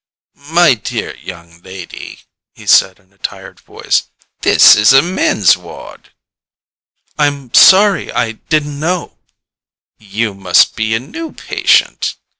"My dear young lady," he said in a tired voice, "this is a men's ward!" "I'm sorry. I didn't know " "You must be a new patient."